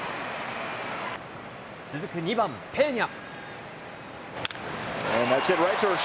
続く２番ペーニャ。